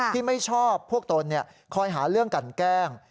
ไม่ชอบพวกตนคอยหาเรื่องกันแกล้ง